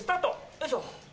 よいしょ。